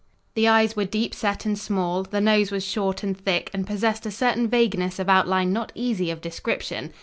The eyes were deep set and small, the nose was short and thick and possessed a certain vagueness of outline not easy of description.